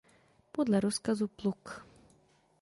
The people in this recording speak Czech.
Podle rozkazu pluk.